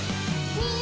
うん！